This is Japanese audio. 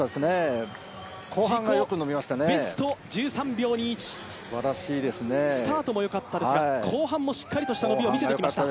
１３秒２１、スタートもよかったですが、後半もしっかりとした伸びを見せてきました。